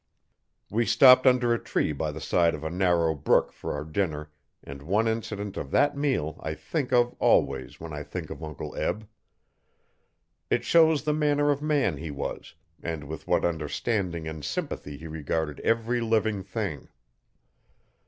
We stopped under a tree by the side of a narrow brook for our dinner, and one incident of that meal I think of always when I think of Uncle Eb. It shows the manner of man he was and with what understanding and sympathy he regarded every living thing.